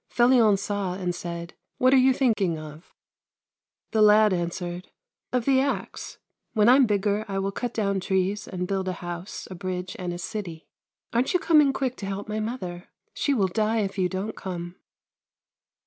Felion saw, and said :" What are you thinking of ?" The lad answered :" Of the axe. When I'm bigger I will cut down trees and build a house, a bridge, and a city. Aren't you coming quick to help my mother? She will die if you don't come."